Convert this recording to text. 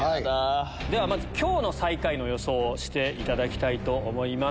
ではまず、きょうの最下位の予想をしていただきたいと思います。